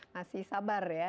masih sabar ya